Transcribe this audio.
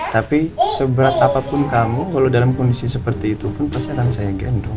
tapi seberat apapun kamu kalau dalam kondisi seperti itu pun pasti akan saya gandum